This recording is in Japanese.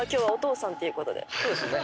そうですね。